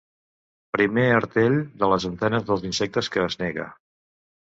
Primer artell de les antenes dels insectes que es nega.